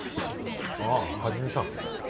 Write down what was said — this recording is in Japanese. あぁ一さん。